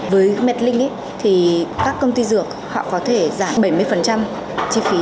với medlink thì các công ty dược họ có thể giảm bảy mươi chi phí trong cái khâu phân phối